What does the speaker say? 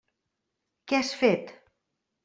Què has fet?